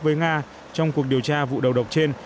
với nga trong cuộc điều tra vụ đầu độc trên